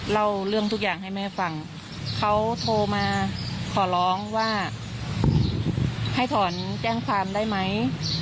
เล่าเรื่องทุกอย่างให้แม่ฟังเขาโทรมาขอร้องว่าให้ถอนแจ้งความได้ไหม